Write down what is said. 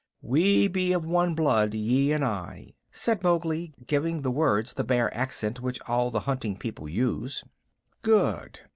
"We be of one blood, ye and I," said Mowgli, giving the words the Bear accent which all the Hunting People use. "Good.